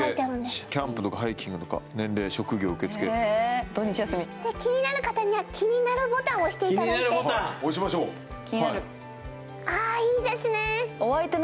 受付キャンプとかハイキングとか年齢職業受付え土日休み気になる方には気になるボタンを押していただいて押しましょうはいああいいですね